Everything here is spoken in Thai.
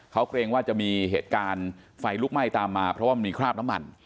เขาเกรงว่าจะมีเหตุการณ์ไฟลุกไหม้ตามมาเพราะว่ามันมีคราบน้ำมัน